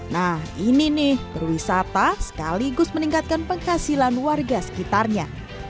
nah ini nih berwisata sekaligus meningkatkan penghasilan warga sekitarnya